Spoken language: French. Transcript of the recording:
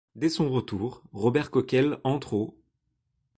Dès son retour, Robert Coquelle entre au.